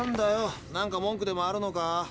何か文句でもあるのか？